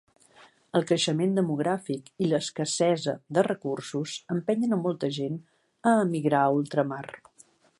El creixement demogràfic i l'escassesa de recursos empenyen a molta gent a emigrar a ultramar.